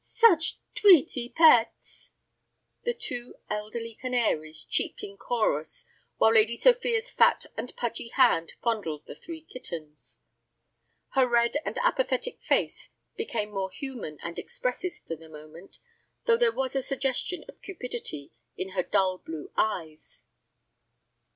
"Such tweety pets." The two elderly canaries cheeped in chorus while Lady Sophia's fat and pudgy hand fondled the three kittens. Her red and apathetic face became more human and expressive for the moment, though there was a suggestion of cupidity in her dull blue eyes.